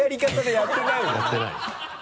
やってないね。